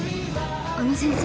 あの先生